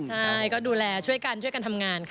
ใช่ก็ดูแลช่วยกันช่วยกันทำงานค่ะ